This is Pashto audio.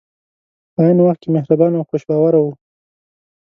په عین وخت کې مهربان او خوش باوره وو.